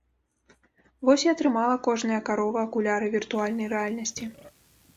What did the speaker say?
Вось і атрымала кожная карова акуляры віртуальнай рэальнасці.